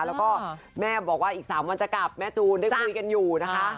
แล้วก็แม่บอกว่าอีก๓วันจะกลับแม่จูนได้คุยกันอยู่นะคะ